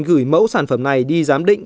gửi mẫu sản phẩm này đi giám định